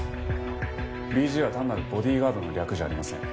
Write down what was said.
ＢＧは単なるボディーガードの略じゃありません。